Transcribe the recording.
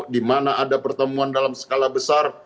di mana ada pertemuan dalam skala besar